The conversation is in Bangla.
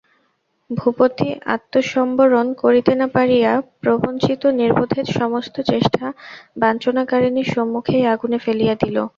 ভূপতিআত্মসম্বরণ করিতে না পারিয়া প্রবঞ্চিত নির্বোধের সমস্ত চেষ্টা বঞ্চনাকারিণীর সম্মুখেই আগুনে ফেলিয়া দিল।